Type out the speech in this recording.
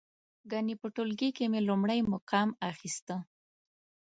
ګنې په ټولګي کې مې لومړی مقام اخسته.